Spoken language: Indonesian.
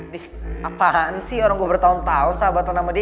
dih apaan sih orang gue bertahun tahun sahabaton sama dia